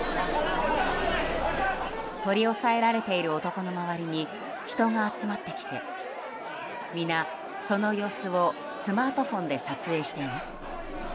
取り押さえられている男の周りに人が集まってきて皆、その様子をスマートフォンで撮影しています。